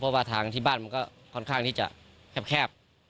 เพราะว่าทางที่บ้านมันก็ค่อนข้างที่จะแคบ